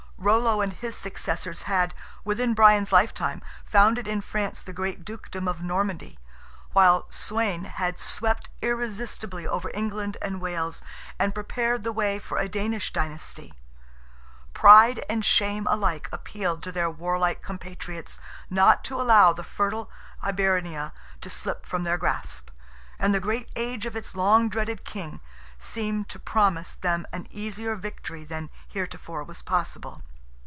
Rollo and his successors had, within Brian's lifetime, founded in France the great dukedom of Normandy; while Sweyn had swept irresistibly over England and Wales, and prepared the way for a Danish dynasty. Pride and shame alike appealed to their warlike compatriots not to allow the fertile Hibernia to slip from their grasp, and the great age of its long dreaded king seemed to promise them an easier victory than heretofore was possible.